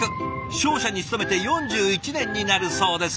商社に勤めて４１年になるそうです。